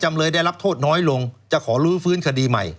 ไม่ได้